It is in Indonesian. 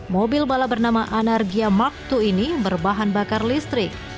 mobil balap bernama anargia mark dua ini berbahan bakar listrik